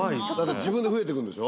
自分で増えてくんでしょ？